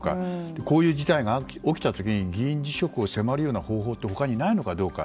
こういう事態が起きた時に議員辞職を迫る方法が他にないのかどうか。